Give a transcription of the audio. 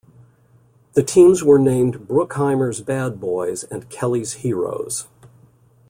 The teams were named Bruckheimer's Bad Boys and Kelley's Heroes.